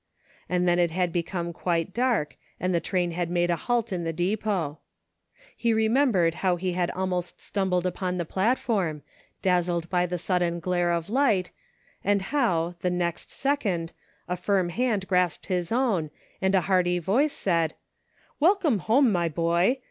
And then it had become quite dark, and the train had made a halt in the depot. He remembered how he had almost stumbled from the platform, dazzled by the sudden glare of light, and how, the next second, a firm hand grasped his own, and a hearty voice said, " Welcome home, my boy.